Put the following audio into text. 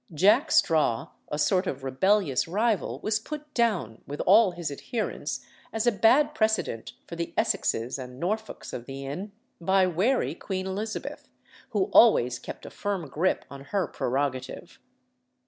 Jack Straw, a sort of rebellious rival, was put down, with all his adherents, as a bad precedent for the Essexes and Norfolks of the inn, by wary Queen Elizabeth, who always kept a firm grip on her prerogative.